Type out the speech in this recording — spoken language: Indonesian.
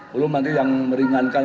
belum nanti yang meringankan